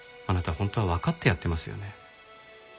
本当はわかってやってますよね。